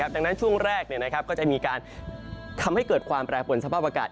ดังนั้นช่วงแรกก็จะมีการทำให้เกิดความแปรปวนสภาพอากาศ